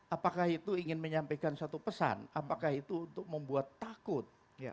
apakah itu ingin menyampaikan suatu pesan apakah itu untuk membuat takut